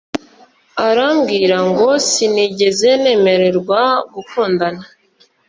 urambwira ngo sinigeze nemererwa gukundana